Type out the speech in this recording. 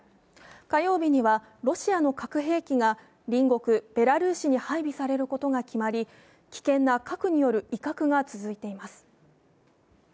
火曜日には、ロシアの核兵器が隣国ベラルーシに配備されることが決まり危険な核による威嚇が続いています。